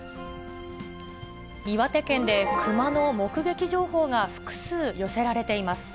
岩手県でクマの目撃情報が複数寄せられています。